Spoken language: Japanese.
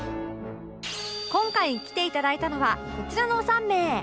今回来ていただいたのはこちらの３名